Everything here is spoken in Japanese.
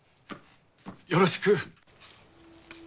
よろしく！